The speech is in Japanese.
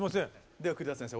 では栗田先生